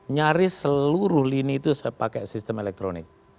nyaris seluruh lini itu saya pakai sistem elektronik